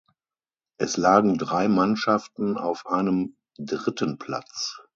Es lagen drei Mannschaften auf einem dritten Platz.